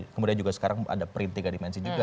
kemudian juga sekarang ada prinsip tiga dimensi juga